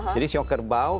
jadi sio kerbau